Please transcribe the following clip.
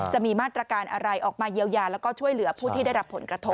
จะมีมาตรการอะไรออกมาเยียวยาแล้วก็ช่วยเหลือผู้ที่ได้รับผลกระทบ